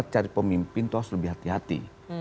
dua ribu dua puluh empat cari pemimpin itu harus lebih hati hati